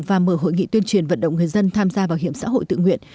và mở hội nghị tuyên truyền vận động người dân tham gia bảo hiểm xã hội tự nguyện